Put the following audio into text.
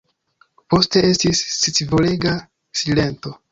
Poste estis scivolega silento.